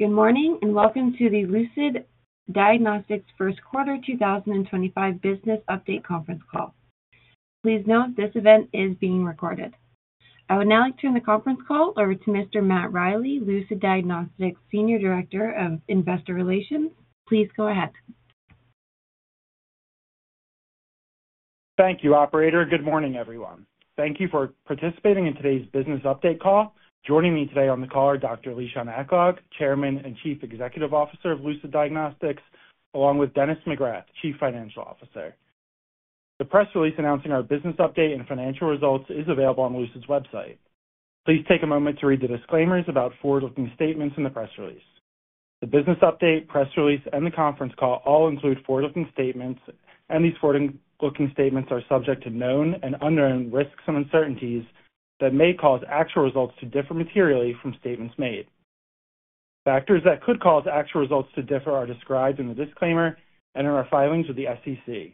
Good morning and welcome to the Lucid Diagnostics First Quarter 2025 Business update Conference Call. Please note this event is being recorded. I would now like to turn the conference call over to Mr. Matt Riley, Lucid Diagnostics Senior Director of Investor Relations. Please go ahead. Thank you, Operator. Good morning, everyone. Thank you for participating in today's business update call. Joining me today on the call are Dr. Lishan Aklog, Chairman and Chief Executive Officer of Lucid Diagnostics, along with Dennis McGrath, Chief Financial Officer. The press release announcing our business update and financial results is available on Lucid's website. Please take a moment to read the disclaimers about forward-looking statements in the press release. The business update, press release, and the conference call all include forward-looking statements, and these forward-looking statements are subject to known and unknown risks and uncertainties that may cause actual results to differ materially from statements made. Factors that could cause actual results to differ are described in the disclaimer and in our filings with the SEC.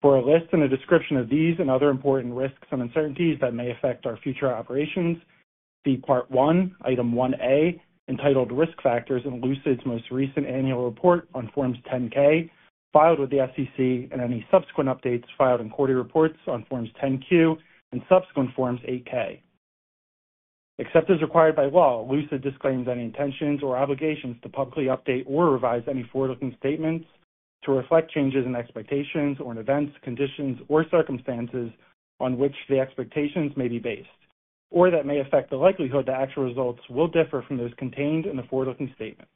For a list and a description of these and other important risks and uncertainties that may affect our future operations, see part one, Item 1A, entitled Risk Factors in Lucid's most recent annual report on Forms 10-K filed with the SEC and any subsequent updates filed in Quarterly Reports on Forms 10-Q and subsequent Forms 8-K. Except as required by law, Lucid disclaims any intentions or obligations to publicly update or revise any forward-looking statements to reflect changes in expectations or in events, conditions, or circumstances on which the expectations may be based, or that may affect the likelihood the actual results will differ from those contained in the forward-looking statements.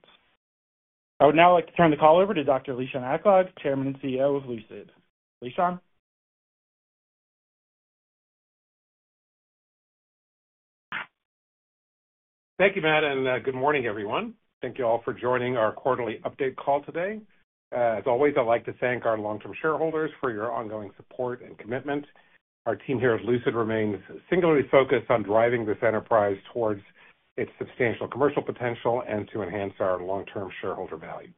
I would now like to turn the call over to Dr. Lishan Aklog, Chairman and CEO of Lucid. Lishan? Thank you, Matt, and good morning, everyone. Thank you all for joining our quarterly update call today. As always, I'd like to thank our long-term shareholders for your ongoing support and commitment. Our team here at Lucid remains singularly focused on driving this enterprise towards its substantial commercial potential and to enhance our long-term shareholder value.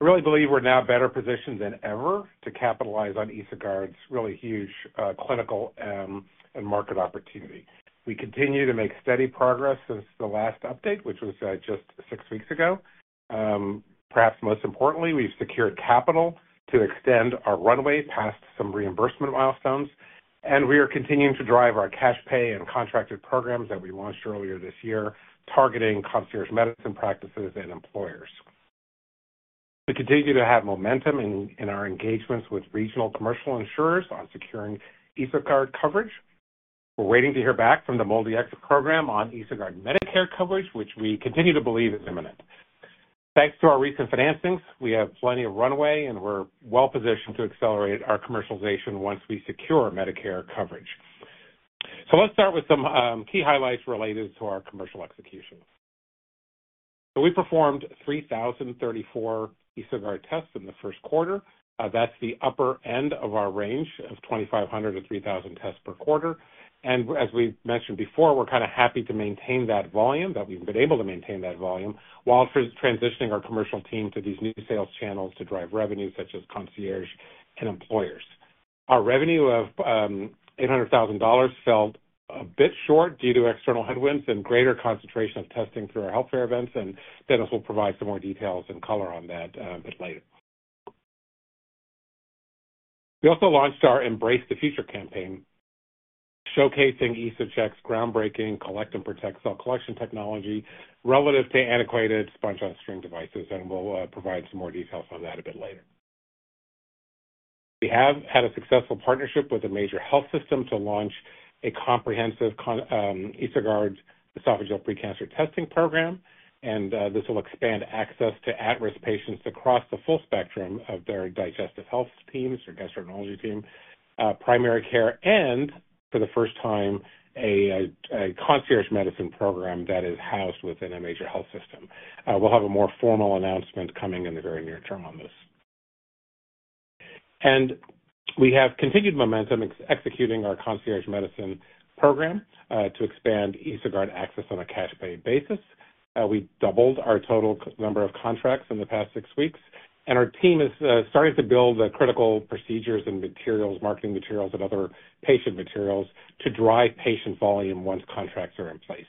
I really believe we're now better positioned than ever to capitalize on EsoGuard's really huge clinical and market opportunity. We continue to make steady progress since the last update, which was just six weeks ago. Perhaps most importantly, we've secured capital to extend our runway past some reimbursement milestones, and we are continuing to drive our cash pay and contracted programs that we launched earlier this year, targeting concierge medicine practices and employers. We continue to have momentum in our engagements with regional commercial insurers on securing EsoGuard coverage. We're waiting to hear back from the MolDX program on EsoGuard Medicare coverage, which we continue to believe is imminent. Thanks to our recent financings, we have plenty of runway, and we're well positioned to accelerate our commercialization once we secure Medicare coverage. Let's start with some key highlights related to our commercial execution. We performed 3,034 EsoGuard tests in the first quarter. That's the upper end of our range of 2,500-3,000 tests per quarter. As we mentioned before, we're kind of happy to maintain that volume, that we've been able to maintain that volume, while transitioning our commercial team to these new sales channels to drive revenue, such as concierge and employers. Our revenue of $800,000 fell a bit short due to external headwinds and greater concentration of testing through our health fair events, and Dennis will provide some more details and color on that a bit later. We also launched our Embrace the Future campaign, showcasing EsoGuard's groundbreaking collect-and-protect cell collection technology relative to antiquated sponge-on-string devices, and we'll provide some more details on that a bit later. We have had a successful partnership with a major health system to launch a comprehensive EsoGuard esophageal precancer testing program, and this will expand access to at-risk patients across the full spectrum of their digestive health teams or gastroenterology team, primary care, and for the first time, a concierge medicine program that is housed within a major health system. We'll have a more formal announcement coming in the very near term on this. We have continued momentum executing our concierge medicine program to expand EsoGuard access on a cash pay basis. We doubled our total number of contracts in the past six weeks, and our team is starting to build critical procedures and materials, marketing materials, and other patient materials to drive patient volume once contracts are in place.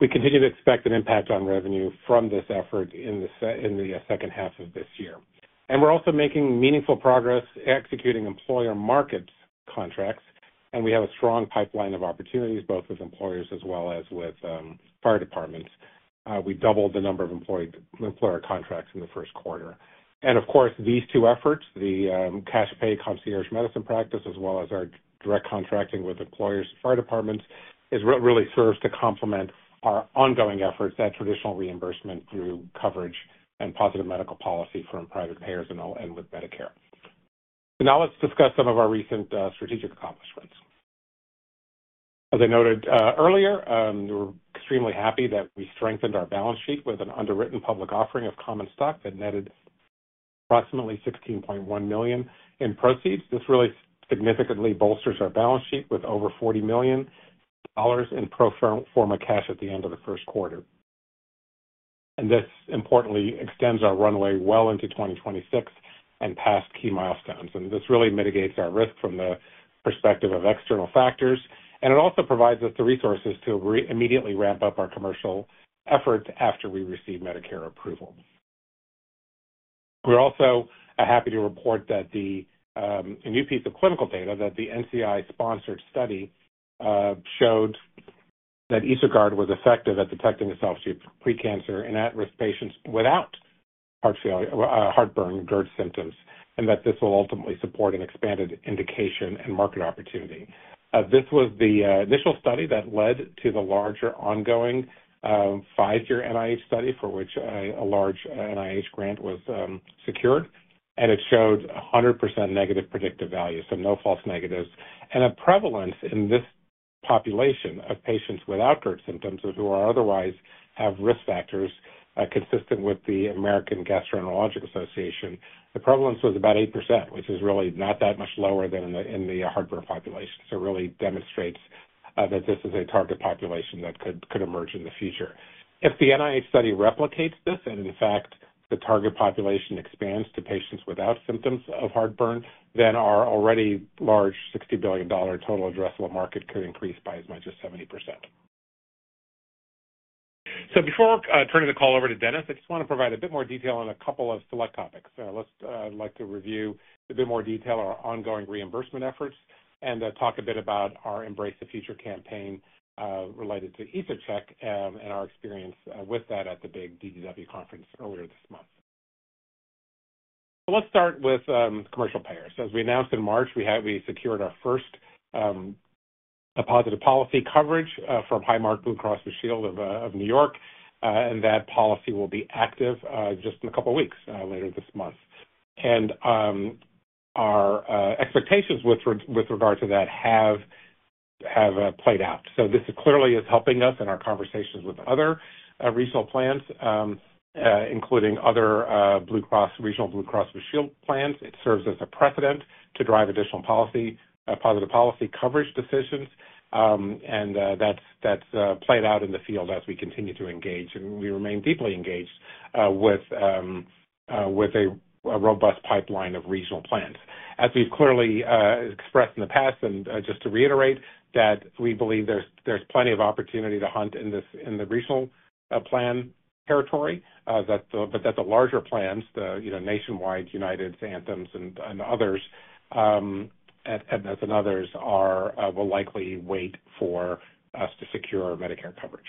We continue to expect an impact on revenue from this effort in the second half of this year. We are also making meaningful progress executing employer markets contracts, and we have a strong pipeline of opportunities, both with employers as well as with fire departments. We doubled the number of employer contracts in the first quarter. Of course, these two efforts, the cash pay concierge medicine practice, as well as our direct contracting with employers and fire departments, really serve to complement our ongoing efforts at traditional reimbursement through coverage and positive medical policy from private payers and with Medicare. Now let's discuss some of our recent strategic accomplishments. As I noted earlier, we're extremely happy that we strengthened our balance sheet with an underwritten public offering of common stock that netted approximately $16.1 million in proceeds. This really significantly bolsters our balance sheet with over $40 million in pro forma cash at the end of the first quarter. This importantly extends our runway well into 2026 and past key milestones. This really mitigates our risk from the perspective of external factors, and it also provides us the resources to immediately ramp up our commercial efforts after we receive Medicare approval. We're also happy to report that the new piece of clinical data that the NCI-sponsored study showed that EsoGuard was effective at detecting esophageal precancer in at-risk patients without heart failure, heartburn, or GERD symptoms, and that this will ultimately support an expanded indication and market opportunity. This was the initial study that led to the larger ongoing five-year NIH study for which a large NIH grant was secured, and it showed 100% negative predictive value, so no false negatives. A prevalence in this population of patients without GERD symptoms who otherwise have risk factors consistent with the American Gastroenterological Association, the prevalence was about 8%, which is really not that much lower than in the heartburn population. It really demonstrates that this is a target population that could emerge in the future. If the NIH study replicates this and, in fact, the target population expands to patients without symptoms of heartburn, then our already large $60 billion total addressable market could increase by as much as 70%. Before turning the call over to Dennis, I just want to provide a bit more detail on a couple of select topics. I'd like to review in a bit more detail our ongoing reimbursement efforts and talk a bit about our Embrace the Future campaign related to EsoGuard and our experience with that at the big DDW conference earlier this month. Let's start with commercial payers. As we announced in March, we secured our first positive policy coverage from Highmark Blue Cross Blue Shield of New York, and that policy will be active just in a couple of weeks later this month. Our expectations with regard to that have played out. This clearly is helping us in our conversations with other regional plans, including other regional Blue Cross Blue Shield plans. It serves as a precedent to drive additional positive policy coverage decisions, and that's played out in the field as we continue to engage, and we remain deeply engaged with a robust pipeline of regional plans. As we've clearly expressed in the past, and just to reiterate, we believe there's plenty of opportunity to hunt in the regional plan territory, but the larger plans, the nationwide United, Anthems, and others will likely wait for us to secure Medicare coverage.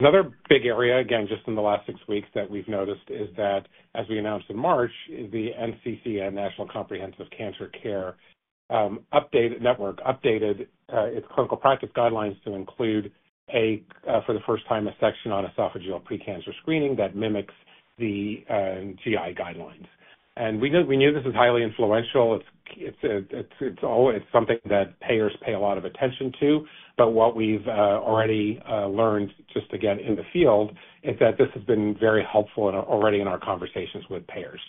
Another big area, again, just in the last six weeks that we've noticed is that, as we announced in March, the NCCN National Comprehensive Cancer Network updated its clinical practice guidelines to include, for the first time, a section on esophageal precancer screening that mimics the GI guidelines. We knew this is highly influential. It's something that payers pay a lot of attention to, but what we've already learned, just again in the field, is that this has been very helpful already in our conversations with payers.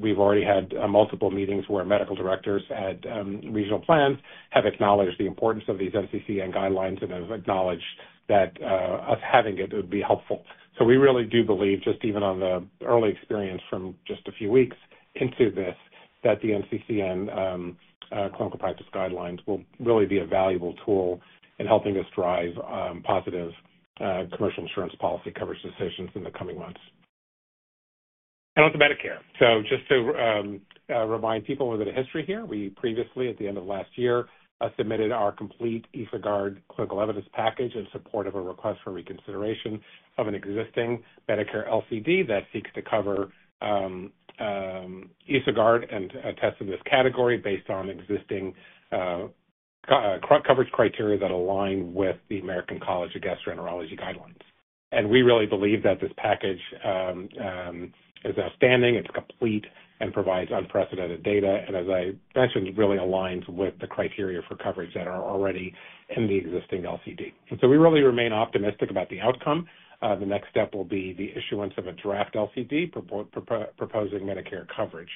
We've already had multiple meetings where medical directors at regional plans have acknowledged the importance of these NCCN guidelines and have acknowledged that us having it would be helpful. We really do believe, just even on the early experience from just a few weeks into this, that the NCCN clinical practice guidelines will really be a valuable tool in helping us drive positive commercial insurance policy coverage decisions in the coming months. Onto Medicare. Just to remind people, a bit of history here. We previously, at the end of last year, submitted our complete EsoGuard clinical evidence package in support of a request for reconsideration of an existing Medicare LCD that seeks to cover EsoGuard and tests in this category based on existing coverage criteria that align with the American College of Gastroenterology guidelines. We really believe that this package is outstanding. It is complete and provides unprecedented data, and as I mentioned, really aligns with the criteria for coverage that are already in the existing LCD. We really remain optimistic about the outcome. The next step will be the issuance of a draft LCD proposing Medicare coverage.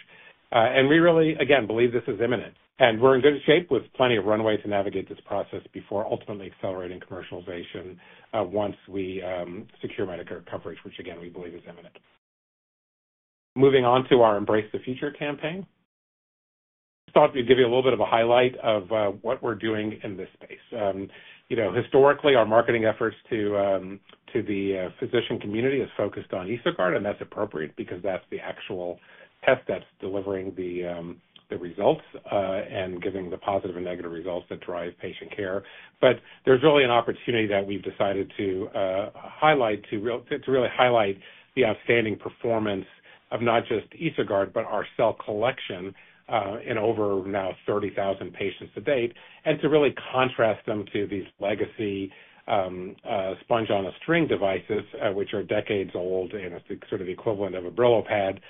We really, again, believe this is imminent, and we're in good shape with plenty of runway to navigate this process before ultimately accelerating commercialization once we secure Medicare coverage, which, again, we believe is imminent. Moving on to our Embrace the Future campaign, I just thought we'd give you a little bit of a highlight of what we're doing in this space. Historically, our marketing efforts to the physician community have focused on EsoGuard, and that's appropriate because that's the actual test that's delivering the results and giving the positive and negative results that drive patient care. There is really an opportunity that we've decided to highlight, to really highlight the outstanding performance of not just EsoGuard, but our cell collection in over now 30,000 patients to date, and to really contrast them to these legacy sponge-on-a-string devices, which are decades old and are sort of the equivalent of a Brillo-Pad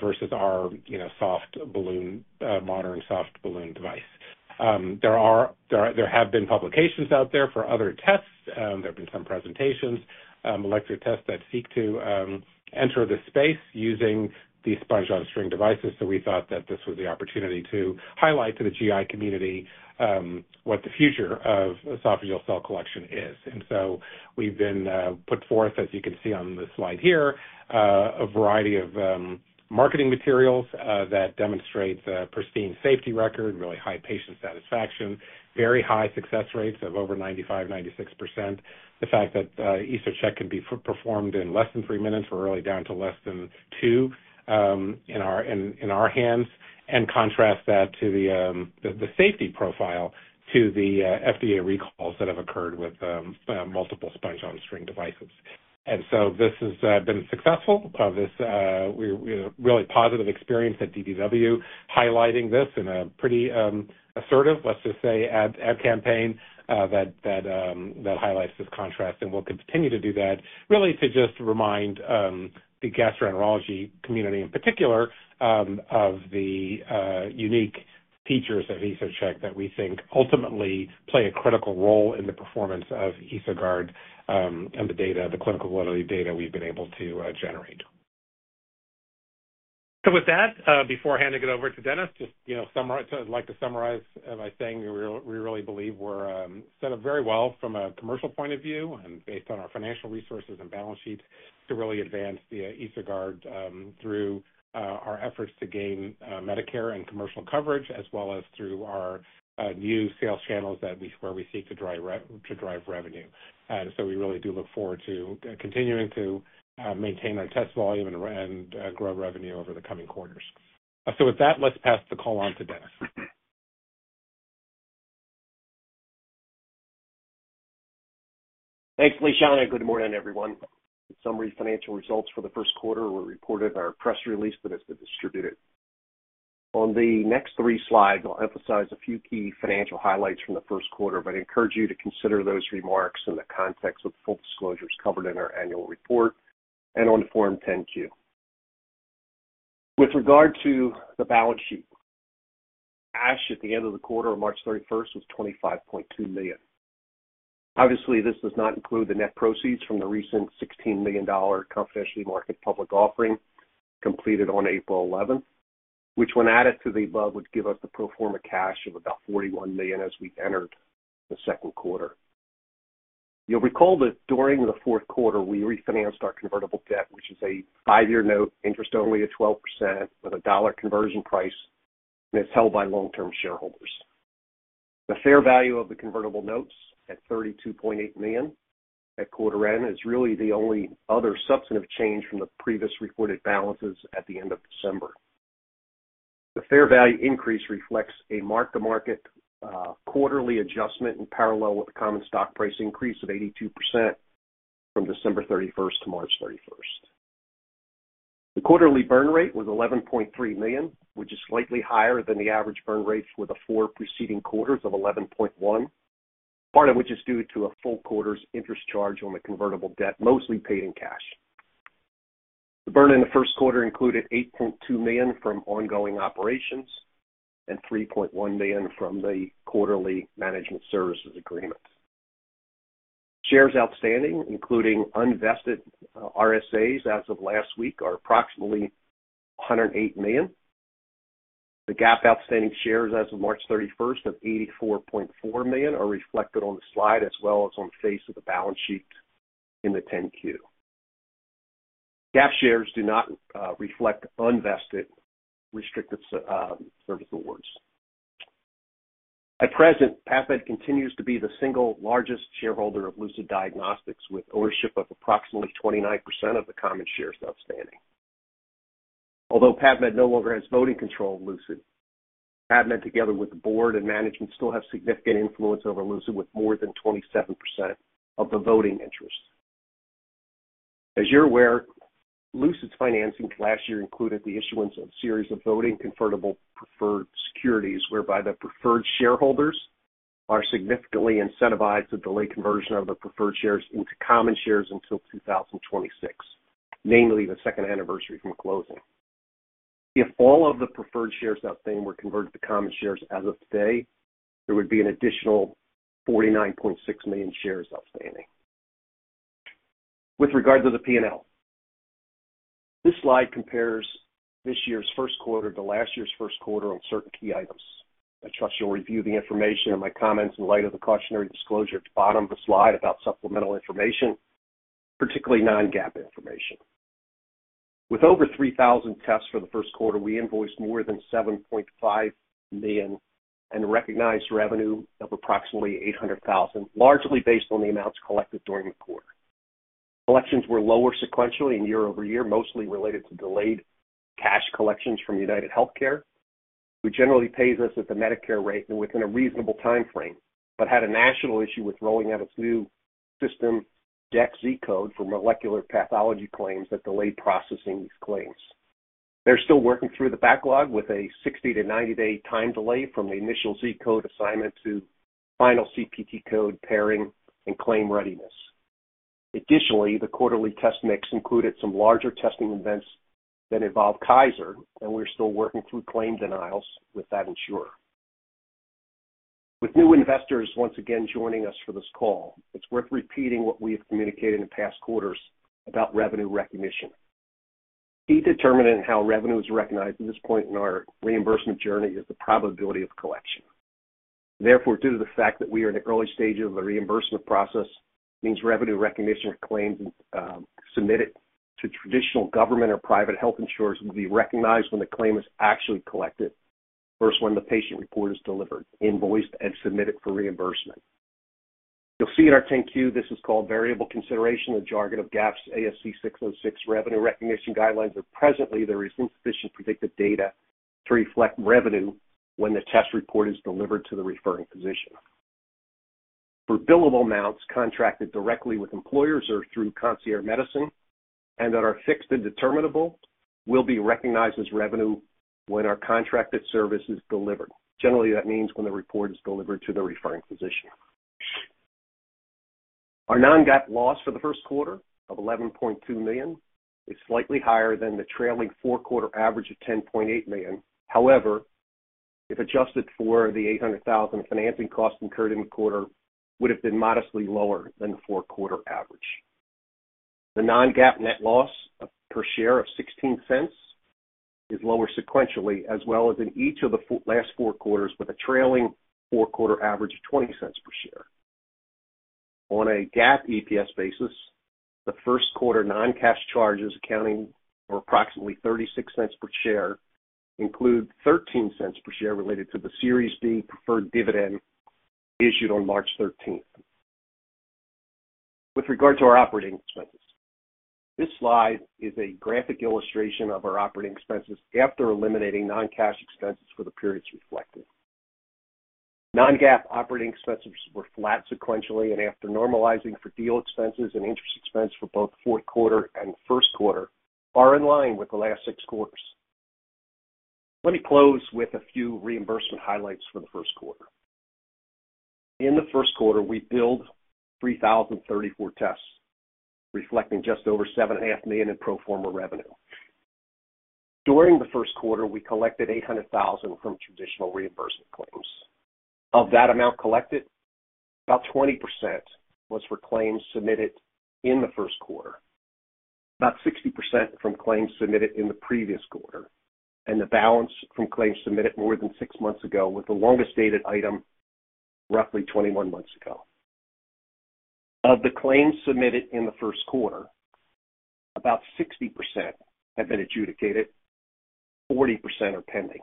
versus our modern soft balloon device. There have been publications out there for other tests. There have been some presentations, electric tests that seek to enter the space using these sponge-on-a-string devices. We thought that this was the opportunity to highlight to the GI community what the future of esophageal cell collection is. We have put forth, as you can see on the slide here, a variety of marketing materials that demonstrate a pristine safety record, really high patient satisfaction, very high success rates of over 95%-96%, the fact that EsoGuard can be performed in less than three minutes or really down to less than two in our hands, and contrast that to the safety profile to the FDA recalls that have occurred with multiple sponge-on-a-string devices. This has been successful. We have a really positive experience at DDW highlighting this in a pretty assertive, let's just say, ad campaign that highlights this contrast, and we'll continue to do that, really to just remind the gastroenterology community in particular of the unique features of EsoGuard that we think ultimately play a critical role in the performance of EsoGuard and the clinical quality data we've been able to generate. With that, before handing it over to Dennis, I'd like to summarize by saying we really believe we're set up very well from a commercial point of view and based on our financial resources and balance sheet to really advance EsoGuard through our efforts to gain Medicare and commercial coverage, as well as through our new sales channels where we seek to drive revenue. We really do look forward to continuing to maintain our test volume and grow revenue over the coming quarters. With that, let's pass the call on to Dennis. Thanks, Lishan. Good morning, everyone. Summary financial results for the first quarter were reported in our press release that has been distributed. On the next three slides, I'll emphasize a few key financial highlights from the first quarter, but I encourage you to consider those remarks in the context of full disclosures covered in our annual report and on Form 10-Q. With regard to the balance sheet, cash at the end of the quarter on March 31 was $25.2 million. Obviously, this does not include the net proceeds from the recent $16 million confidentially marketed public offering completed on April 11, which, when added to the above, would give us the pro forma cash of about $41 million as we entered the second quarter. You'll recall that during the fourth quarter, we refinanced our convertible debt, which is a five-year note, interest only at 12% with a dollar conversion price, and it's held by long-term shareholders. The fair value of the convertible notes at $32.8 million at quarter end is really the only other substantive change from the previous reported balances at the end of December. The fair value increase reflects a mark-to-market quarterly adjustment in parallel with the common stock price increase of 82% from December 31 to March 31. The quarterly burn rate was $11.3 million, which is slightly higher than the average burn rates for the four preceding quarters of $11.1 million, part of which is due to a full quarter's interest charge on the convertible debt, mostly paid in cash. The burn in the first quarter included $8.2 million from ongoing operations and $3.1 million from the quarterly management services agreement. Shares outstanding, including unvested RSAs as of last week, are approximately 108 million. The GAAP outstanding shares as of March 31 of 84.4 million are reflected on the slide as well as on the face of the balance sheet in the 10-Q. GAAP shares do not reflect unvested restricted service awards. At present, PAVmed continues to be the single largest shareholder of Lucid Diagnostics, with ownership of approximately 29% of the common shares outstanding. Although PAVmed no longer has voting control of Lucid, PAVmed, together with the board and management, still have significant influence over Lucid with more than 27% of the voting interest. As you're aware, Lucid's financing last year included the issuance of a series of voting convertible preferred securities, whereby the preferred shareholders are significantly incentivized to delay conversion of the preferred shares into common shares until 2026, namely the second anniversary from closing. If all of the preferred shares outstanding were converted to common shares as of today, there would be an additional $49.6 million shares outstanding. With regard to the P&L, this slide compares this year's first quarter to last year's first quarter on certain key items. I trust you'll review the information and my comments in light of the cautionary disclosure at the bottom of the slide about supplemental information, particularly non-GAAP information. With over 3,000 tests for the first quarter, we invoiced more than $7.5 million and recognized revenue of approximately $800,000, largely based on the amounts collected during the quarter. Collections were lower sequentially and year over year, mostly related to delayed cash collections from UnitedHealthcare, who generally pays us at the Medicare rate and within a reasonable timeframe, but had a national issue with rolling out its new system DEX Z - Code for molecular pathology claims that delayed processing these claims. They're still working through the backlog with a 60-90 day time delay from the initial Z code assignment to final CPT code pairing and claim readiness. Additionally, the quarterly test mix included some larger testing events that involved Kaiser, and we're still working through claim denials with that insurer. With new investors once again joining us for this call, it's worth repeating what we have communicated in past quarters about revenue recognition. Key determinant in how revenue is recognized at this point in our reimbursement journey is the probability of collection. Therefore, due to the fact that we are in the early stages of the reimbursement process, it means revenue recognition claims submitted to traditional government or private health insurers will be recognized when the claim is actually collected versus when the patient report is delivered, invoiced, and submitted for reimbursement. As you'll see in our 10-Q, this is called variable consideration, the jargon of GAAP's ASC 606 revenue recognition guidelines, where presently there is insufficient predictive data to reflect revenue when the test report is delivered to the referring physician. For billable amounts contracted directly with employers or through concierge medicine and that are fixed and determinable, will be recognized as revenue when our contracted service is delivered. Generally, that means when the report is delivered to the referring physician. Our non-GAAP loss for the first quarter of $11.2 million is slightly higher than the trailing four-quarter average of $10.8 million. However, if adjusted for the $800,000 financing cost incurred in the quarter, it would have been modestly lower than the four-quarter average. The non-GAAP net loss per share of $0.16 is lower sequentially, as well as in each of the last four quarters, with a trailing four-quarter average of $0.20 per share. On a GAAP EPS basis, the first quarter non-cash charges accounting for approximately $0.36 per share include $0.13 per share related to the Series D preferred dividend issued on March 13th. With regard to our operating expenses, this slide is a graphic illustration of our operating expenses after eliminating non-cash expenses for the periods reflected. Non-GAAP operating expenses were flat sequentially, and after normalizing for deal expenses and interest expense for both fourth quarter and first quarter, they are in line with the last six quarters. Let me close with a few reimbursement highlights for the first quarter. In the first quarter, we billed 3,034 tests, reflecting just over $7.5 million in pro forma revenue. During the first quarter, we collected $800,000 from traditional reimbursement claims. Of that amount collected, about 20% was for claims submitted in the first quarter, about 60% from claims submitted in the previous quarter, and the balance from claims submitted more than six months ago, with the longest dated item roughly 21 months ago. Of the claims submitted in the first quarter, about 60% have been adjudicated; 40% are pending.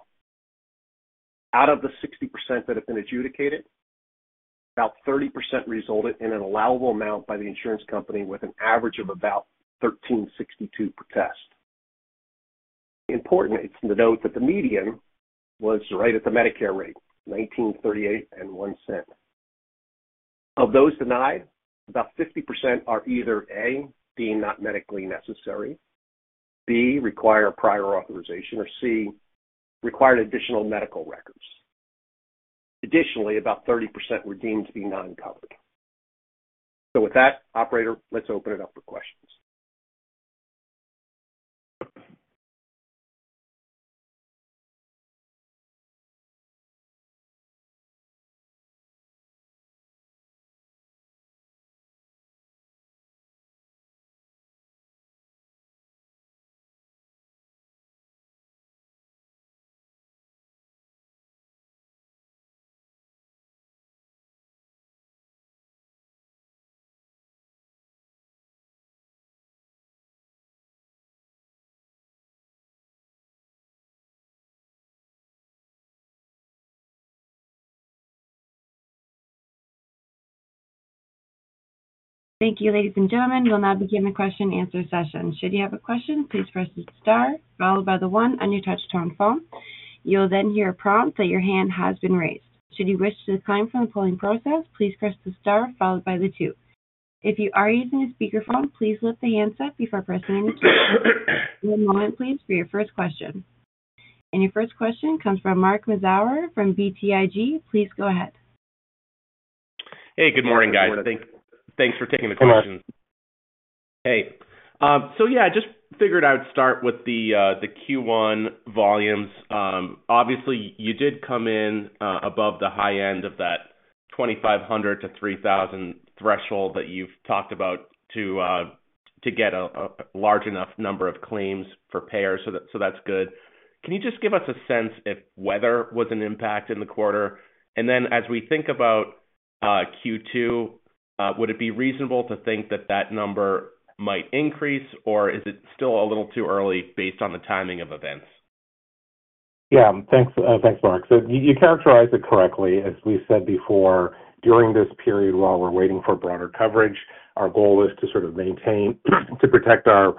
Out of the 60% that have been adjudicated, about 30% resulted in an allowable amount by the insurance company, with an average of about $1,362 per test. Important to note that the median was right at the Medicare rate, $1,938.01. Of those denied, about 50% are either A, being not medically necessary, B, require prior authorization, or C, require additional medical records. Additionally, about 30% were deemed to be non-covered. With that, operator, let's open it up for questions. Thank you, ladies and gentlemen. We'll now begin the question-and-answer session. Should you have a question, please press the star, followed by the one on your touch-tone phone. You'll then hear a prompt that your hand has been raised. Should you wish to decline from the polling process, please press the star, followed by the two. If you are using a speakerphone, please lift the hands up before pressing any keys. Give me a moment, please, for your first question. Your first question comes from Mark Massaro from BTIG. Please go ahead. Hey, good morning, guys. Thanks for taking the question. Hey. Yeah, I just figured I would start with the Q1 volumes. Obviously, you did come in above the high end of that $2,500-$3,000 threshold that you've talked about to get a large enough number of claims for payers, so that's good. Can you just give us a sense if weather was an impact in the quarter? As we think about Q2, would it be reasonable to think that that number might increase, or is it still a little too early based on the timing of events? Yeah. Thanks, Mark. You characterized it correctly. As we said before, during this period, while we're waiting for broader coverage, our goal is to sort of maintain, to protect our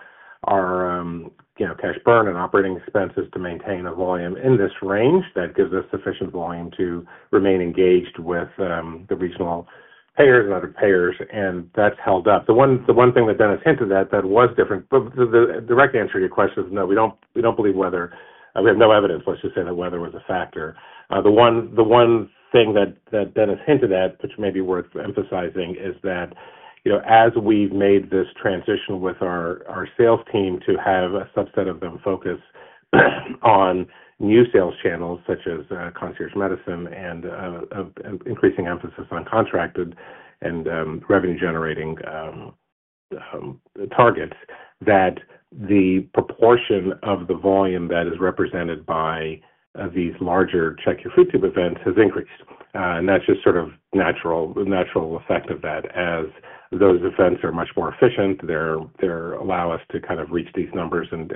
cash burn and operating expenses, to maintain a volume in this range that gives us sufficient volume to remain engaged with the regional payers and other payers, and that's held up. The one thing that Dennis hinted at that was different, but the direct answer to your question is no, we don't believe weather. We have no evidence, let's just say, that weather was a factor. The one thing that Dennis hinted at, which may be worth emphasizing, is that as we've made this transition with our sales team to have a subset of them focus on new sales channels, such as concierge medicine and increasing emphasis on contracted and revenue-generating targets, the proportion of the volume that is represented by these larger Check-Your-Food-Tube events has increased. That is just sort of the natural effect of that, as those events are much more efficient. They allow us to kind of reach these numbers and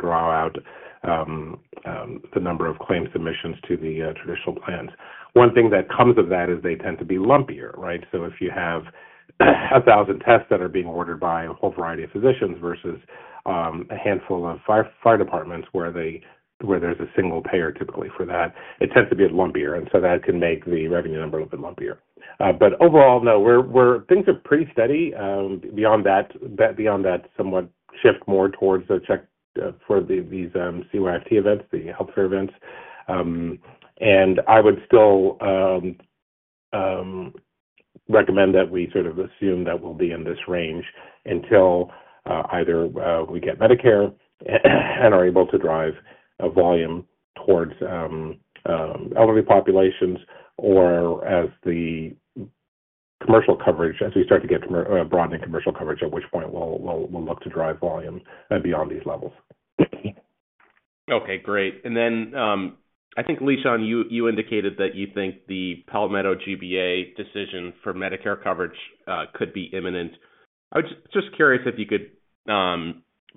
draw out the number of claim submissions to the traditional plans. One thing that comes of that is they tend to be lumpier, right? If you have 1,000 tests that are being ordered by a whole variety of physicians versus a handful of fire departments where there's a single payer typically for that, it tends to be lumpier, and that can make the revenue number a little bit lumpier. Overall, no, things are pretty steady. Beyond that, somewhat shift more towards the check for these CYFT events, the healthcare events. I would still recommend that we sort of assume that we'll be in this range until either we get Medicare and are able to drive volume towards elderly populations or as the commercial coverage, as we start to get broadening commercial coverage, at which point we'll look to drive volume beyond these levels. Okay. Great. I think, Lishan, you indicated that you think the Palmetto GBA decision for Medicare coverage could be imminent. I was just curious if you could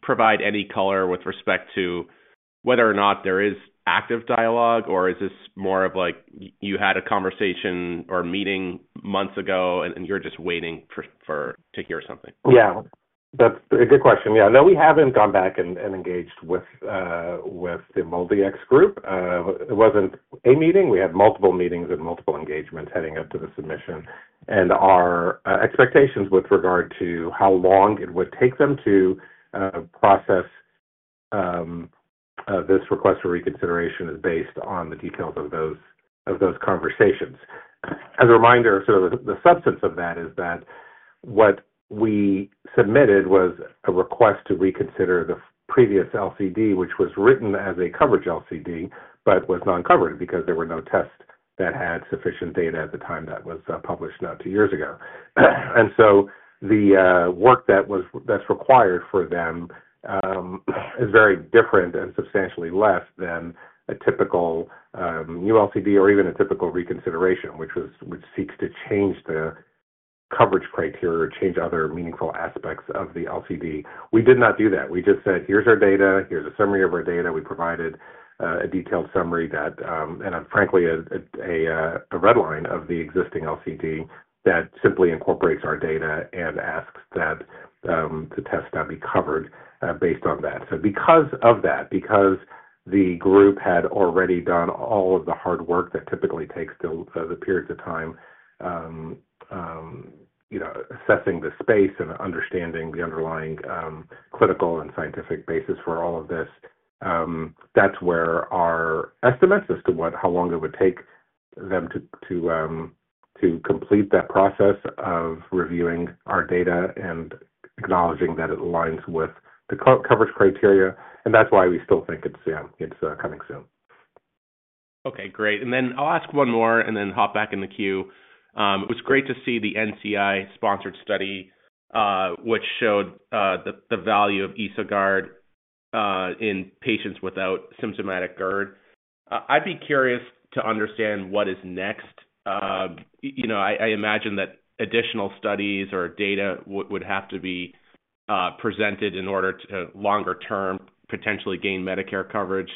provide any color with respect to whether or not there is active dialogue, or is this more of like you had a conversation or meeting months ago, and you're just waiting to hear something? Yeah. That's a good question. Yeah. No, we haven't gone back and engaged with the MolDX group. It wasn't a meeting. We had multiple meetings and multiple engagements heading up to the submission. Our expectations with regard to how long it would take them to process this request for reconsideration is based on the details of those conversations. As a reminder, sort of the substance of that is that what we submitted was a request to reconsider the previous LCD, which was written as a coverage LCD, but was non-covered because there were no tests that had sufficient data at the time that was published now two years ago. The work that's required for them is very different and substantially less than a typical new LCD or even a typical reconsideration, which seeks to change the coverage criteria or change other meaningful aspects of the LCD. We did not do that. We just said, "Here's our data. Here's a summary of our data." We provided a detailed summary that, and frankly, a redline of the existing LCD that simply incorporates our data and asks that the tests now be covered based on that. Because of that, because the group had already done all of the hard work that typically takes the periods of time assessing the space and understanding the underlying clinical and scientific basis for all of this, that's where our estimates as to how long it would take them to complete that process of reviewing our data and acknowledging that it aligns with the coverage criteria. That's why we still think it's coming soon. Okay. Great. I'll ask one more and then hop back in the queue. It was great to see the NCI-sponsored study, which showed the value of EsoGuard in patients without symptomatic GERD. I'd be curious to understand what is next. I imagine that additional studies or data would have to be presented in order to, longer term, potentially gain Medicare coverage.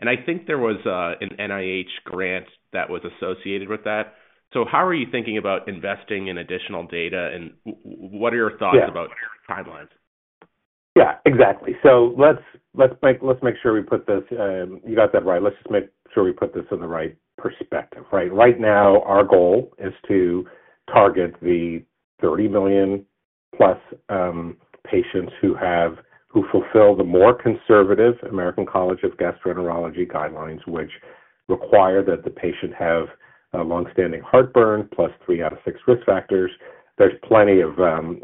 I think there was an NIH grant that was associated with that. How are you thinking about investing in additional data, and what are your thoughts about timelines? Yeah. Exactly. Let's make sure we put this—you got that right. Let's just make sure we put this in the right perspective, right? Right now, our goal is to target the 30 million-plus patients who fulfill the more conservative American College of Gastroenterology guidelines, which require that the patient have longstanding heartburn plus three out of six risk factors. There's plenty of room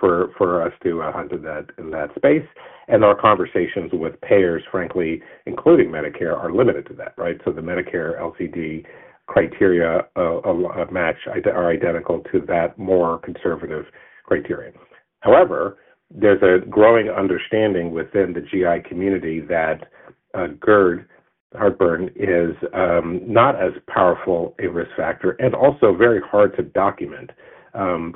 for us to hunt in that space. Our conversations with payers, frankly, including Medicare, are limited to that, right? The Medicare LCD criteria are identical to that more conservative criterion. However, there's a growing understanding within the GI community that GERD, heartburn, is not as powerful a risk factor and also very hard to document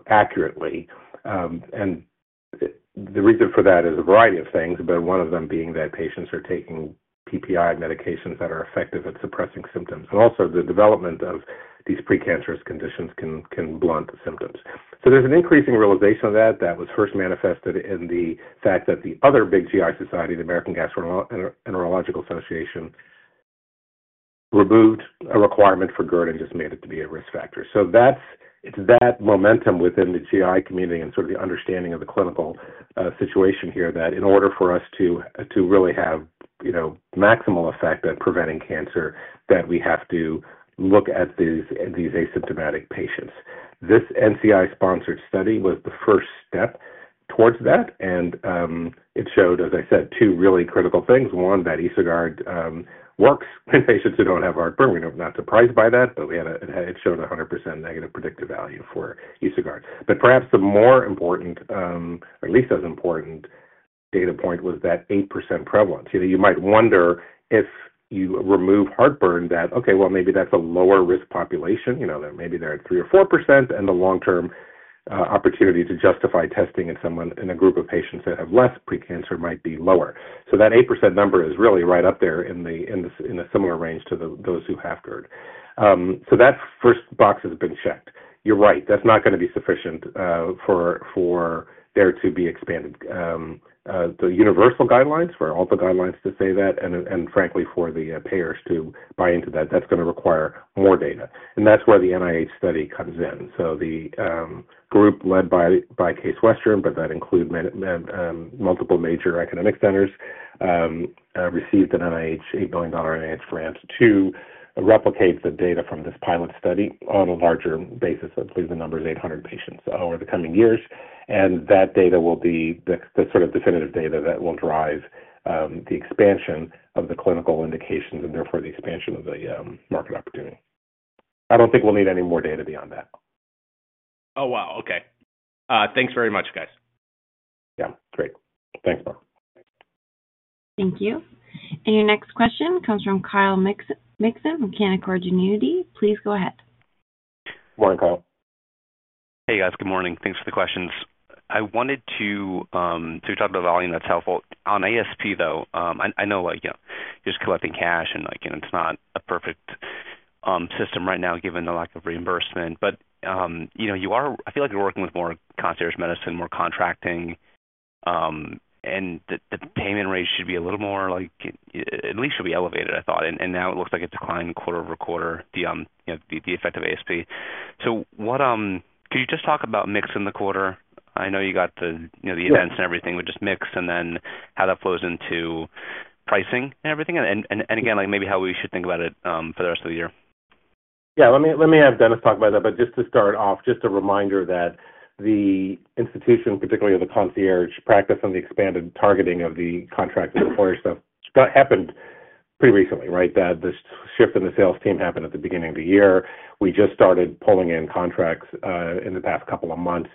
accurately. The reason for that is a variety of things, but one of them being that patients are taking PPI medications that are effective at suppressing symptoms. Also, the development of these precancerous conditions can blunt symptoms. There is an increasing realization of that. That was first manifested in the fact that the other big GI society, the American Gastroenterological Association, removed a requirement for GERD and just made it to be a risk factor. It is that momentum within the GI community and sort of the understanding of the clinical situation here that in order for us to really have maximal effect at preventing cancer, we have to look at these asymptomatic patients. This NCI-sponsored study was the first step towards that, and it showed, as I said, two really critical things. One, that EsoGuard works in patients who do not have heartburn. We are not surprised by that, but it showed a 100% negative predictive value for EsoGuard. Perhaps the more important, or at least as important data point, was that 8% prevalence. You might wonder if you remove heartburn, that, okay, well, maybe that's a lower-risk population. Maybe they're at 3% or 4%, and the long-term opportunity to justify testing in a group of patients that have less precancer might be lower. So that 8% number is really right up there in a similar range to those who have GERD. So that first box has been checked. You're right. That's not going to be sufficient for there to be expanded. The universal guidelines, for all the guidelines to say that, and frankly, for the payers to buy into that, that's going to require more data. That's where the NIH study comes in. The group led by Case Western, but that includes multiple major academic centers, received an $8 billion NIH grant to replicate the data from this pilot study on a larger basis. I believe the number is 800 patients over the coming years. That data will be the sort of definitive data that will drive the expansion of the clinical indications and therefore the expansion of the market opportunity. I don't think we'll need any more data beyond that. Oh, wow. Okay. Thanks very much, guys. Yeah. Great. Thanks, Mark. Thank you. Your next question comes from Kyle Mixon from Canaccord Genuity. Please go ahead. Good morning, Kyle. Hey, guys. Good morning. Thanks for the questions. I wanted to talk about volume. That's helpful. On ASP, though, I know you're just collecting cash, and it's not a perfect system right now given the lack of reimbursement. I feel like you're working with more concierge medicine, more contracting, and the payment rate should be a little more—at least should be elevated, I thought. Now it looks like a decline quarter over quarter, the effect of ASP. Could you just talk about mix in the quarter? I know you got the events and everything, but just mix and then how that flows into pricing and everything. Again, maybe how we should think about it for the rest of the year. Yeah. Let me have Dennis talk about that. Just to start off, just a reminder that the institution, particularly the concierge practice on the expanded targeting of the contracting employer stuff, that happened pretty recently, right? The shift in the sales team happened at the beginning of the year. We just started pulling in contracts in the past couple of months,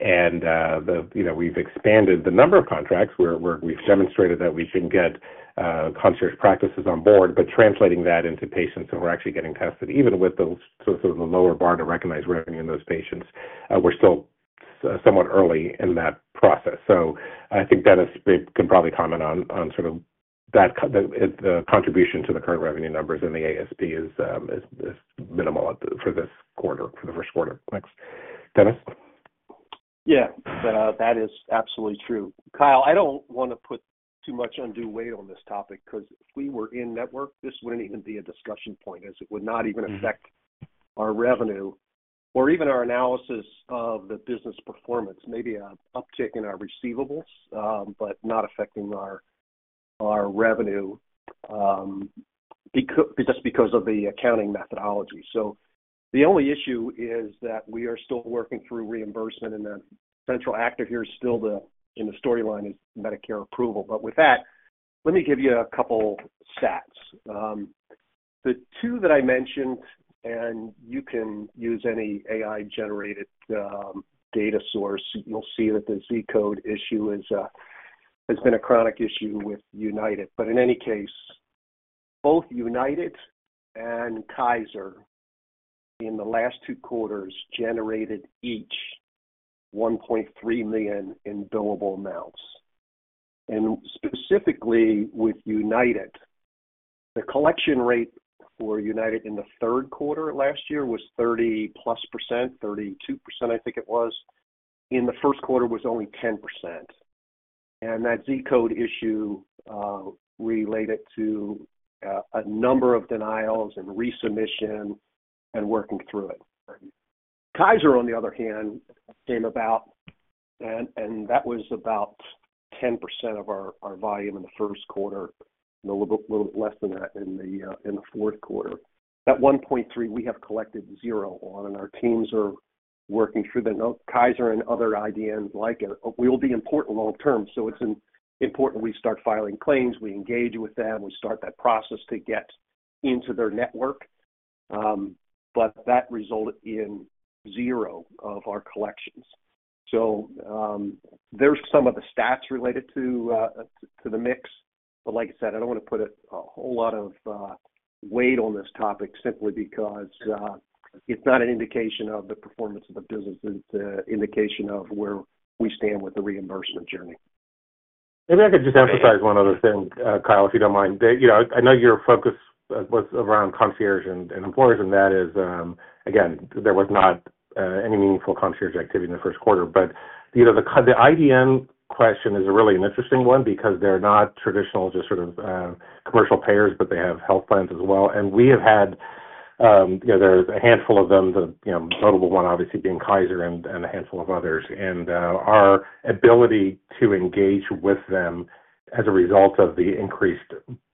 and we've expanded the number of contracts. We've demonstrated that we can get concierge practices on board, but translating that into patients who are actually getting tested, even with the lower bar to recognize revenue in those patients, we're still somewhat early in that process. I think Dennis can probably comment on sort of the contribution to the current revenue numbers and the ASP is minimal for this quarter, for the first quarter. Thanks. Dennis? Yeah. That is absolutely true. Kyle, I don't want to put too much undue weight on this topic because if we were in network, this wouldn't even be a discussion point, as it would not even affect our revenue or even our analysis of the business performance. Maybe an uptick in our receivables, but not affecting our revenue just because of the accounting methodology. The only issue is that we are still working through reimbursement, and the central actor here is still in the storyline is Medicare approval. With that, let me give you a couple of stats. The two that I mentioned, and you can use any AI-generated data source. You'll see that the Z code issue has been a chronic issue with United. In any case, both United and Kaiser in the last two quarters generated each $1.3 million in billable amounts. Specifically with United, the collection rate for United in the third quarter last year was 30-plus percent, 32%, I think it was. In the first quarter, it was only 10%. That Z code issue related to a number of denials and resubmission and working through it. Kaiser, on the other hand, came about, and that was about 10% of our volume in the first quarter, a little bit less than that in the fourth quarter. That 1.3, we have collected zero on, and our teams are working through that. Kaiser and other IDNs like it will be important long-term. It is important we start filing claims, we engage with them, we start that process to get into their network. That resulted in zero of our collections. There are some of the stats related to the mix. Like I said, I don't want to put a whole lot of weight on this topic simply because it's not an indication of the performance of the business. It's an indication of where we stand with the reimbursement journey. Maybe I could just emphasize one other thing, Kyle, if you don't mind. I know your focus was around concierge and employers, and that is, again, there was not any meaningful concierge activity in the first quarter. The IDN question is really an interesting one because they're not traditional just sort of commercial payers, but they have health plans as well. We have had there's a handful of them, the notable one obviously being Kaiser and a handful of others. Our ability to engage with them as a result of the increased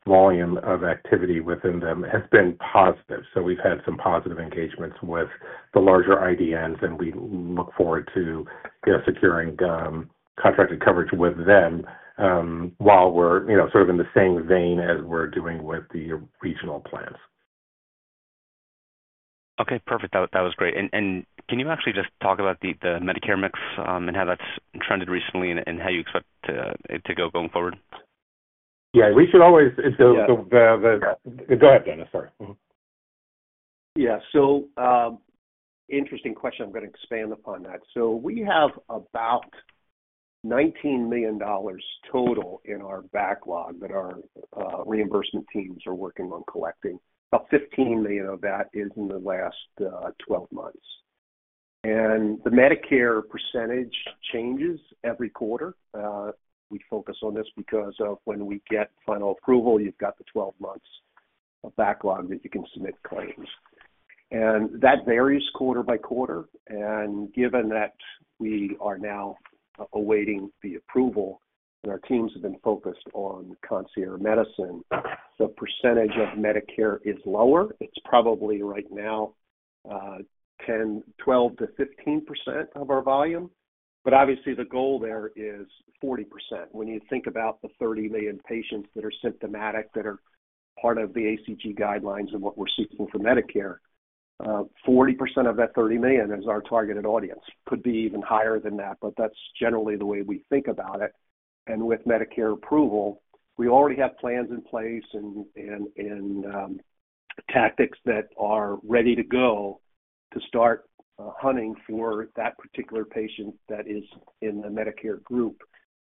volume of activity within them has been positive. We've had some positive engagements with the larger IDNs, and we look forward to securing contracted coverage with them while we're sort of in the same vein as we're doing with the regional plans. Okay. Perfect. That was great. Can you actually just talk about the Medicare mix and how that's trended recently and how you expect it to go going forward? Yeah. We should always—go ahead, Dennis. Sorry. Yeah. Interesting question. I'm going to expand upon that. We have about $19 million total in our backlog that our reimbursement teams are working on collecting. About $15 million of that is in the last 12 months. The Medicare percentage changes every quarter. We focus on this because of when we get final approval, you have the 12 months of backlog that you can submit claims. That varies quarter by quarter. Given that we are now awaiting the approval, and our teams have been focused on concierge medicine, the percentage of Medicare is lower. It's probably right now 12-15% of our volume. Obviously, the goal there is 40%. When you think about the 30 million patients that are symptomatic, that are part of the ACG guidelines and what we're seeking for Medicare, 40% of that 30 million is our targeted audience. Could be even higher than that, but that's generally the way we think about it. With Medicare approval, we already have plans in place and tactics that are ready to go to start hunting for that particular patient that is in the Medicare group.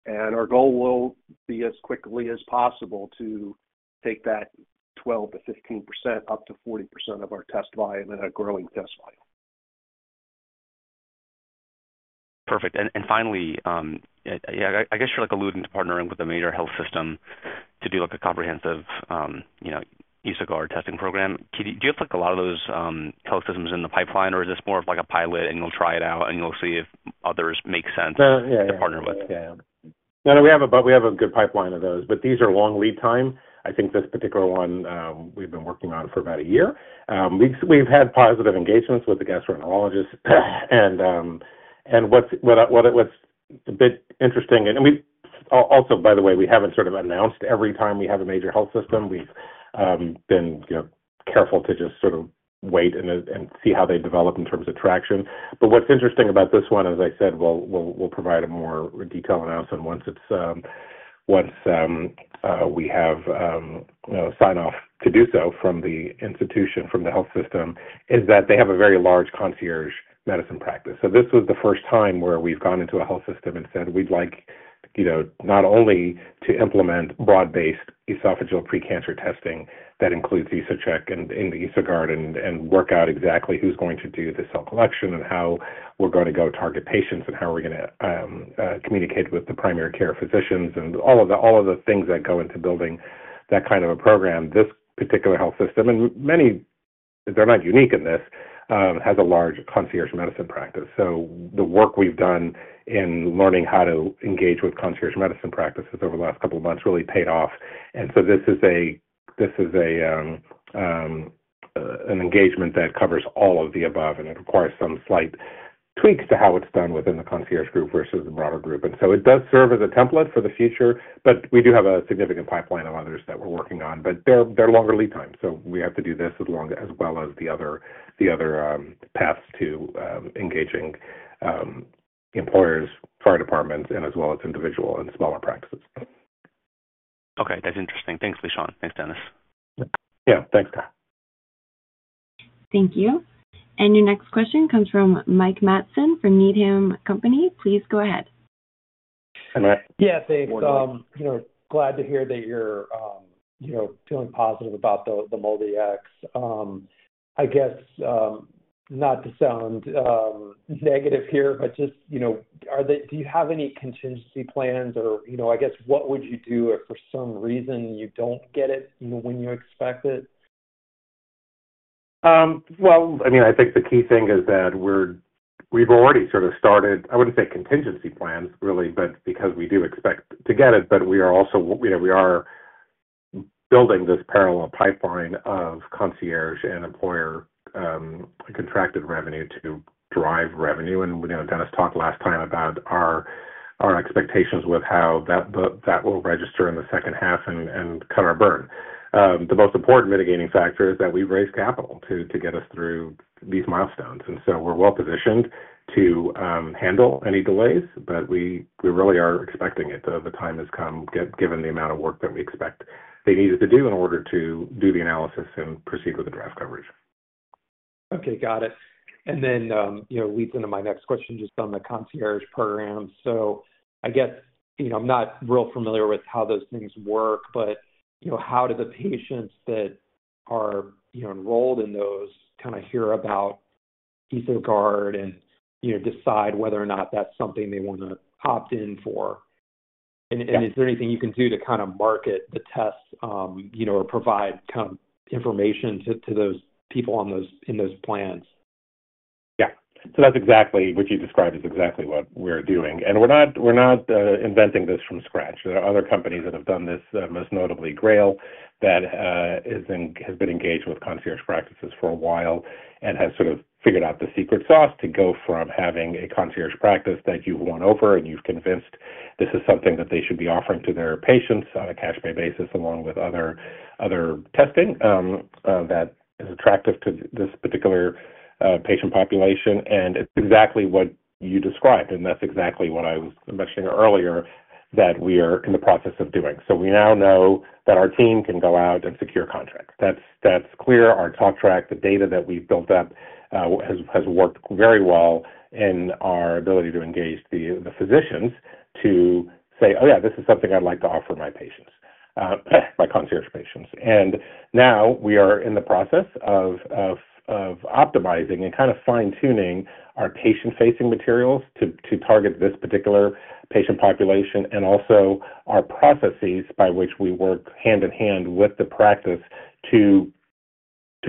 Our goal will be as quickly as possible to take that 12-15% up to 40% of our test volume and our growing test volume. Perfect. Finally, I guess you're alluding to partnering with a major health system to do a comprehensive EsoGuard testing program. Do you have a lot of those health systems in the pipeline, or is this more of a pilot, and you'll try it out, and you'll see if others make sense to partner with? Yeah. No, we have a good pipeline of those. These are long lead time. I think this particular one we've been working on for about a year. We've had positive engagements with the gastroenterologist. What's a bit interesting—and also, by the way, we haven't sort of announced every time we have a major health system. We've been careful to just sort of wait and see how they develop in terms of traction. What's interesting about this one, as I said, we'll provide a more detailed announcement once we have sign-off to do so from the institution, from the health system, is that they have a very large concierge medicine practice. This was the first time where we've gone into a health system and said, "We'd like not only to implement broad-based esophageal precancer testing that includes EsoCheck and EsoGuard and work out exactly who's going to do the cell collection and how we're going to go target patients and how we're going to communicate with the primary care physicians and all of the things that go into building that kind of a program." This particular health system, and they're not unique in this, has a large concierge medicine practice. The work we've done in learning how to engage with concierge medicine practices over the last couple of months really paid off. This is an engagement that covers all of the above, and it requires some slight tweaks to how it's done within the concierge group versus the broader group. It does serve as a template for the future, but we do have a significant pipeline of others that we're working on. They are longer lead times. We have to do this as well as the other paths to engaging employers, fire departments, and as well as individual and smaller practices. Okay. That's interesting. Thanks, Lishan. Thanks, Dennis. Yeah. Thanks, Kyle. Thank you. Your next question comes from Mike Matson from Needham & Company. Please go ahead. Hi, Mike. Yeah. Thanks. Glad to hear that you're feeling positive about the MolDX. I guess not to sound negative here, but just do you have any contingency plans? Or I guess what would you do if for some reason you don't get it when you expect it? I mean, I think the key thing is that we've already sort of started—I wouldn't say contingency plans, really, because we do expect to get it, but we are also building this parallel pipeline of concierge and employer contracted revenue to drive revenue. Dennis talked last time about our expectations with how that will register in the second half and cut our burn. The most important mitigating factor is that we've raised capital to get us through these milestones. We are well-positioned to handle any delays, but we really are expecting it. The time has come, given the amount of work that we expect they needed to do in order to do the analysis and proceed with the draft coverage. Okay. Got it. That leads into my next question just on the concierge program. I guess I'm not real familiar with how those things work, but how do the patients that are enrolled in those kind of hear about EsoGuard and decide whether or not that's something they want to opt in for? Is there anything you can do to kind of market the tests or provide kind of information to those people in those plans? Yeah. That's exactly what you described is exactly what we're doing. We're not inventing this from scratch. There are other companies that have done this, most notably Grail, that has been engaged with concierge practices for a while and has sort of figured out the secret sauce to go from having a concierge practice that you've won over and you've convinced this is something that they should be offering to their patients on a cash pay basis along with other testing that is attractive to this particular patient population. It's exactly what you described. That's exactly what I was mentioning earlier that we are in the process of doing. We now know that our team can go out and secure contracts. That's clear. Our contract, the data that we've built up has worked very well in our ability to engage the physicians to say, "Oh yeah, this is something I'd like to offer my concierge patients." Now we are in the process of optimizing and kind of fine-tuning our patient-facing materials to target this particular patient population and also our processes by which we work hand in hand with the practice to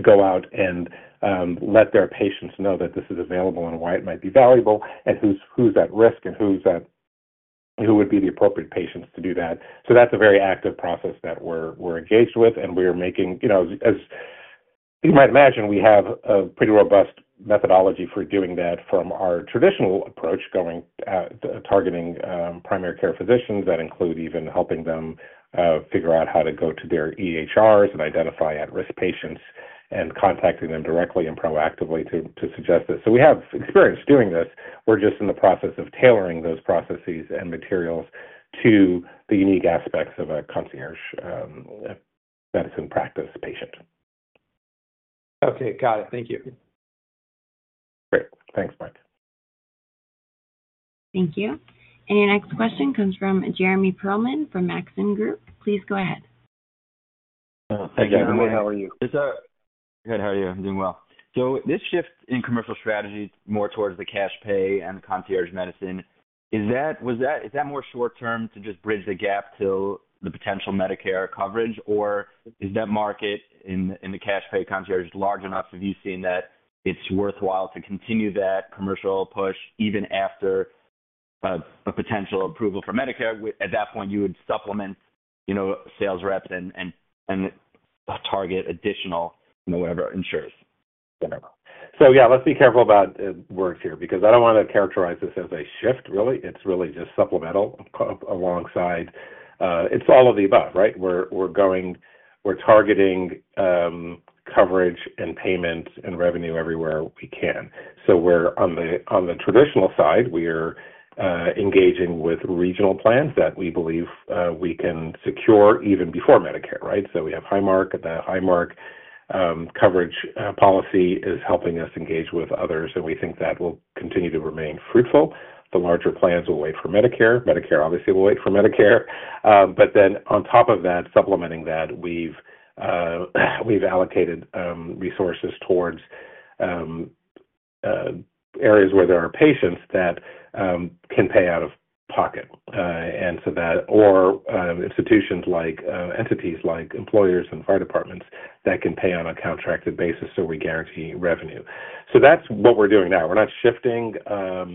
go out and let their patients know that this is available and why it might be valuable and who's at risk and who would be the appropriate patients to do that. That is a very active process that we're engaged with. We're making, as you might imagine, we have a pretty robust methodology for doing that from our traditional approach, targeting primary care physicians that include even helping them figure out how to go to their EHRs and identify at-risk patients and contacting them directly and proactively to suggest this. We have experience doing this. We're just in the process of tailoring those processes and materials to the unique aspects of a concierge medicine practice patient. Okay. Got it. Thank you. Great. Thanks, Mike. Thank you. Your next question comes from Jeremy Perlman from Maxim Group. Please go ahead. Thank you, everyone. How are you? Good. How are you? I'm doing well. This shift in commercial strategy more towards the cash pay and concierge medicine, is that more short-term to just bridge the gap to the potential Medicare coverage? Or is that market in the cash pay concierge large enough? Have you seen that it's worthwhile to continue that commercial push even after a potential approval for Medicare? At that point, you would supplement sales reps and target additional whatever insurance. Yeah, let's be careful about words here because I don't want to characterize this as a shift, really. It's really just supplemental alongside—it's all of the above, right? We're targeting coverage and payment and revenue everywhere we can. On the traditional side, we are engaging with regional plans that we believe we can secure even before Medicare, right? We have Highmark. The Highmark coverage policy is helping us engage with others, and we think that will continue to remain fruitful. The larger plans will wait for Medicare. Medicare, obviously, will wait for Medicare. On top of that, supplementing that, we've allocated resources towards areas where there are patients that can pay out of pocket or institutions like entities like employers and fire departments that can pay on a contracted basis so we guarantee revenue. That's what we're doing now. We're not shifting.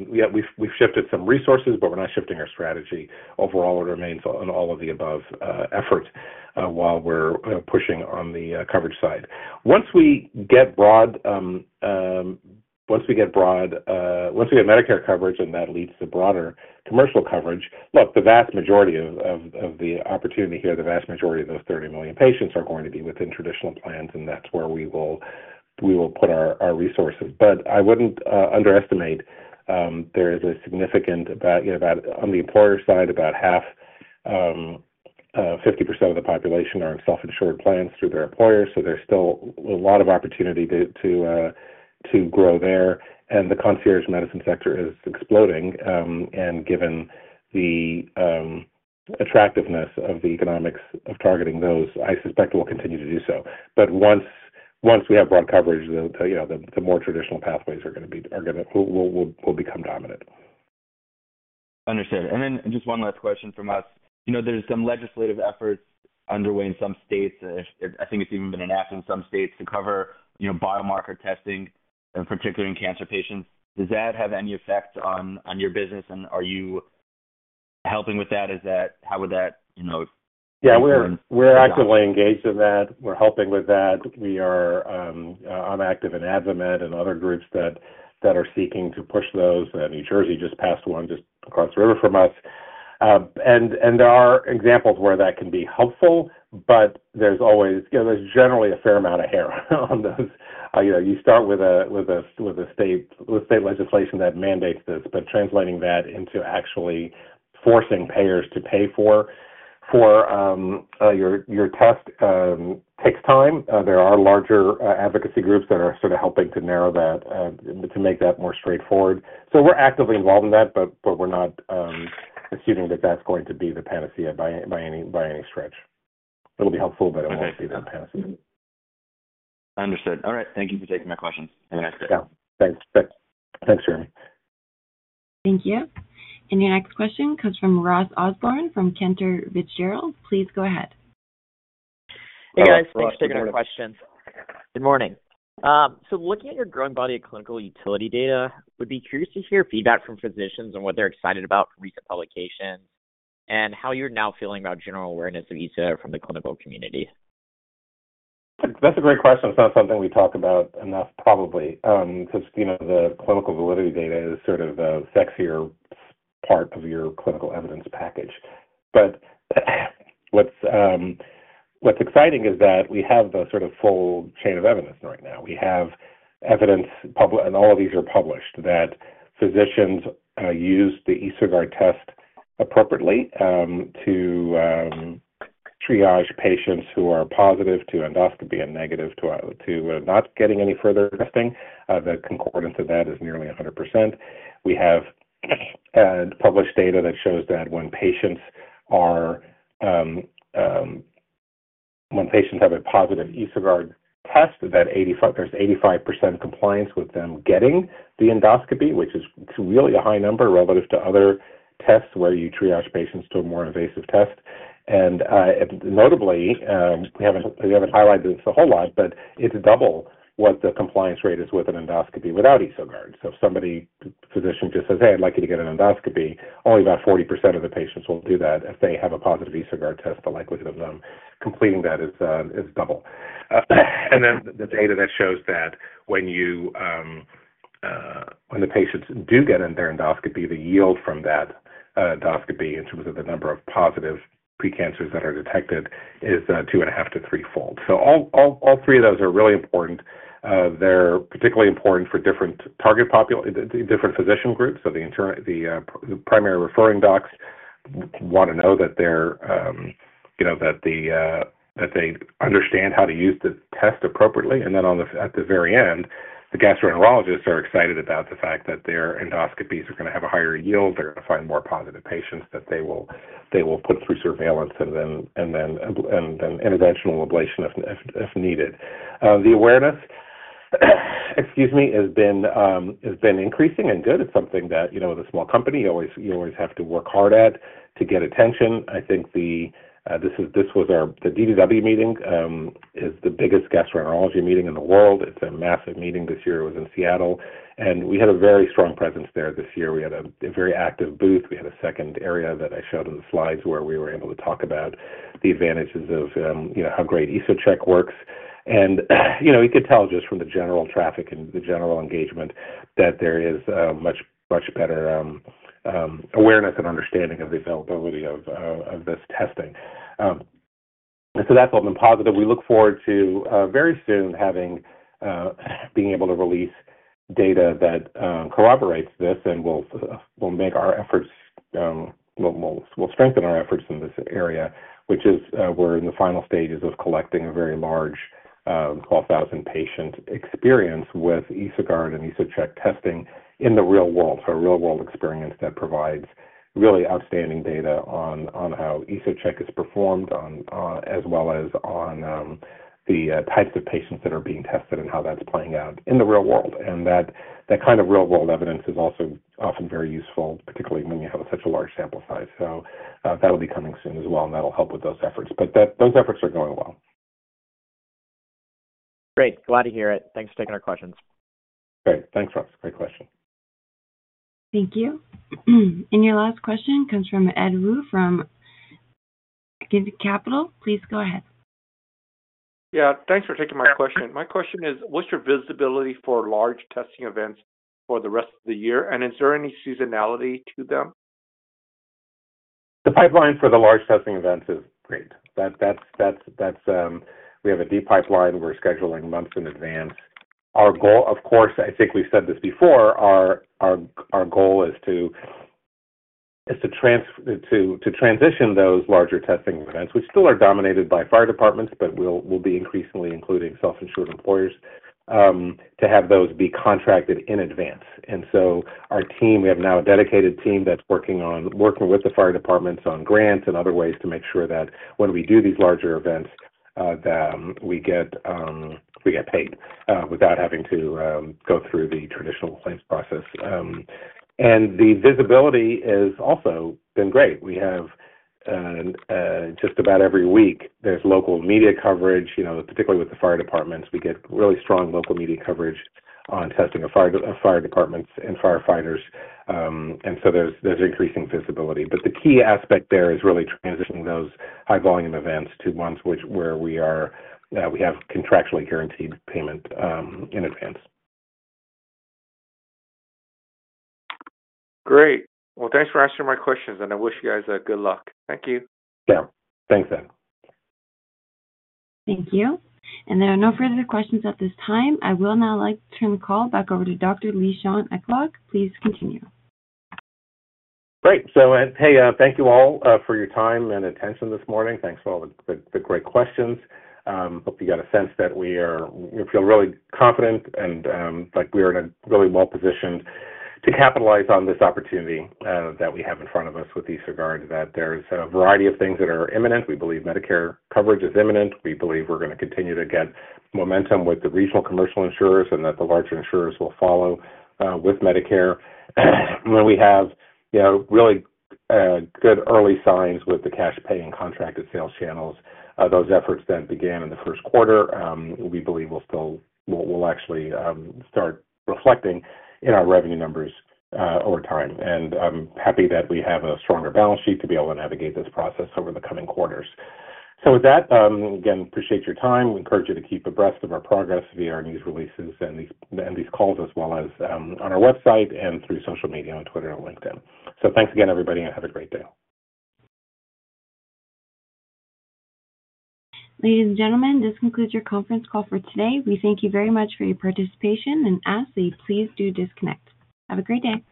We've shifted some resources, but we're not shifting our strategy. Overall, it remains on all of the above efforts while we're pushing on the coverage side. Once we get broad—once we get Medicare coverage and that leads to broader commercial coverage, look, the vast majority of the opportunity here, the vast majority of those 30 million patients are going to be within traditional plans, and that's where we will put our resources. I wouldn't underestimate there is a significant—on the employer side, about 50% of the population are in self-insured plans through their employers. There is still a lot of opportunity to grow there. The concierge medicine sector is exploding. Given the attractiveness of the economics of targeting those, I suspect we'll continue to do so. Once we have broad coverage, the more traditional pathways are going to become dominant. Understood. And then just one last question from us. There are some legislative efforts underway in some states. I think it has even been enacted in some states to cover biomarker testing, particularly in cancer patients. Does that have any effect on your business, and are you helping with that? How would that? Yeah. We're actively engaged in that. We're helping with that. I'm active in AdvaMed and other groups that are seeking to push those. New Jersey just passed one just across the river from us. There are examples where that can be helpful, but there's generally a fair amount of hair on those. You start with a state legislation that mandates this, but translating that into actually forcing payers to pay for your test takes time. There are larger advocacy groups that are sort of helping to narrow that, to make that more straightforward. We're actively involved in that, but we're not assuming that that's going to be the panacea by any stretch. It'll be helpful, but it won't be the panacea. Understood. All right. Thank you for taking my questions. Have a nice day. Thanks. Thanks, Jeremy. Thank you. Your next question comes from Ross Osborne from Cantor Fitzgerald. Please go ahead. Hey, guys. Thanks for taking our questions. Good morning. Looking at your growing body of clinical utility data, we'd be curious to hear feedback from physicians on what they're excited about from recent publications and how you're now feeling about general awareness of EsoGuard from the clinical community. That's a great question. It's not something we talk about enough, probably, because the clinical validity data is sort of a sexier part of your clinical evidence package. What's exciting is that we have the sort of full chain of evidence right now. We have evidence, and all of these are published, that physicians use the EsoGuard test appropriately to triage patients who are positive to endoscopy and negative to not getting any further testing. The concordance of that is nearly 100%. We have published data that shows that when patients have a positive EsoGuard test, there's 85% compliance with them getting the endoscopy, which is really a high number relative to other tests where you triage patients to a more invasive test. Notably, we haven't highlighted this a whole lot, but it's double what the compliance rate is with an endoscopy without EsoGuard. If a physician just says, "Hey, I'd like you to get an endoscopy," only about 40% of the patients will do that. If they have a positive EsoGuard test, the likelihood of them completing that is double. The data shows that when the patients do get their endoscopy, the yield from that endoscopy in terms of the number of positive precancers that are detected is two and a half to threefold. All three of those are really important. They're particularly important for different physician groups. The primary referring docs want to know that they understand how to use the test appropriately. At the very end, the gastroenterologists are excited about the fact that their endoscopies are going to have a higher yield. They're going to find more positive patients that they will put through surveillance and then interventional ablation if needed. The awareness, excuse me, has been increasing and good. It's something that, with a small company, you always have to work hard at to get attention. I think this was our—the DDW meeting is the biggest gastroenterology meeting in the world. It's a massive meeting. This year it was in Seattle. We had a very strong presence there this year. We had a very active booth. We had a second area that I showed in the slides where we were able to talk about the advantages of how great EsoCheck works. You could tell just from the general traffic and the general engagement that there is much better awareness and understanding of the availability of this testing. That's all been positive. We look forward to very soon being able to release data that corroborates this and will make our efforts—we'll strengthen our efforts in this area, which is we're in the final stages of collecting a very large 12,000-patient experience with EsoGuard and EsoCheck testing in the real world. A real-world experience that provides really outstanding data on how EsoCheck is performed as well as on the types of patients that are being tested and how that's playing out in the real world. That kind of real-world evidence is also often very useful, particularly when you have such a large sample size. That will be coming soon as well, and that will help with those efforts. Those efforts are going well. Great. Glad to hear it. Thanks for taking our questions. Great. Thanks, Ross. Great question. Thank you. Your last question comes from Ed Wu from[Ascendiant Capital]. Please go ahead. Yeah. Thanks for taking my question. My question is, what's your visibility for large testing events for the rest of the year? Is there any seasonality to them? The pipeline for the large testing events is great. We have a deep pipeline. We're scheduling months in advance. Our goal, of course, I think we've said this before, our goal is to transition those larger testing events, which still are dominated by fire departments, but we'll be increasingly including self-insured employers, to have those be contracted in advance. Our team, we have now a dedicated team that's working with the fire departments on grants and other ways to make sure that when we do these larger events, we get paid without having to go through the traditional claims process. The visibility has also been great. Just about every week, there's local media coverage, particularly with the fire departments. We get really strong local media coverage on testing of fire departments and firefighters. There's increasing visibility. The key aspect there is really transitioning those high-volume events to ones where we have contractually guaranteed payment in advance. Great. Thank you for answering my questions, and I wish you guys good luck. Thank you. Yeah. Thanks, Ed. Thank you. There are no further questions at this time. I will now like to turn the call back over to Dr. Lishan Aklog. Please continue. Great. Hey, thank you all for your time and attention this morning. Thanks for all the great questions. Hope you got a sense that we feel really confident and like we're in a really well-positioned to capitalize on this opportunity that we have in front of us with EsoGuard, that there's a variety of things that are imminent. We believe Medicare coverage is imminent. We believe we're going to continue to get momentum with the regional commercial insurers and that the larger insurers will follow with Medicare. We have really good early signs with the cash pay and contracted sales channels. Those efforts began in the first quarter. We believe they'll actually start reflecting in our revenue numbers over time. I'm happy that we have a stronger balance sheet to be able to navigate this process over the coming quarters. With that, again, appreciate your time. We encourage you to keep abreast of our progress via our news releases and these calls, as well as on our website and through social media on Twitter and LinkedIn. Thanks again, everybody, and have a great day. Ladies and gentlemen, this concludes your conference call for today. We thank you very much for your participation and ask that you please do disconnect. Have a great day.